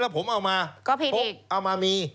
แล้วผมเอามาเอามามี